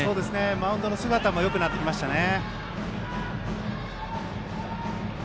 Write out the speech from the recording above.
マウンドの姿もよくなってきましたね。